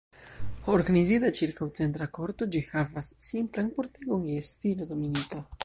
Organizita ĉirkaŭ centra korto, ĝi havas simplan pordegon je stilo dominika.